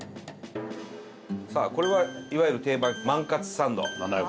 さあこれはいわゆる定番万かつサンド。